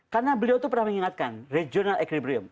karena beliau tuh pernah mengingatkan regional equilibrium